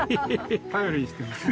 頼りにしてます。